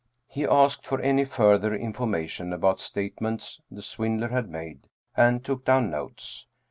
He asked for any further information about statements the swindler had made, and took down notes.